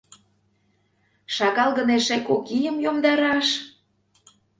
Шагал гын эше кок ийым йомдараш?